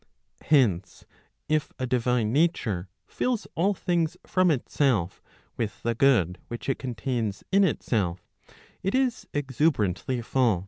Hence, if a divine nature fills all things from itself with the good which it contains in itself, it is exuberantly full.